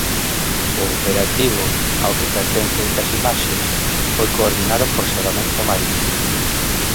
O operativo, ao que pertencen estas imaxes, foi coordinado por Salvamento Marítimo.